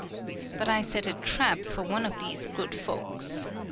But I set a trap for one of these good folks.